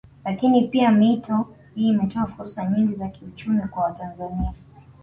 Lakini pia mito hii imetoa fursa nyingi za kiuchumi kwa watanzania